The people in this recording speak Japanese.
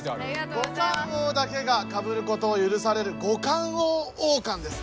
五感王だけがかぶることをゆるされる五感王王冠です。